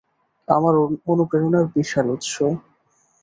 আমার অনুপ্রেরণার বিশাল উৎস।